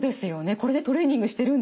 これでトレーニングしてるんですね。